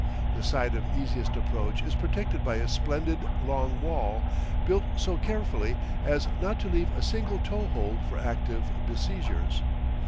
The side of easiest approach is protected by a splendid, long wall, built so carefully as not to leave a single toe hold for active besiegers.